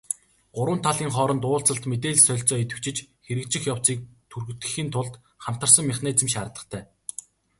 Гурван талын хооронд уулзалт, мэдээлэл солилцоо идэвхжиж, хэрэгжих явцыг түргэтгэхийн тулд хамтарсан механизм шаардлагатай.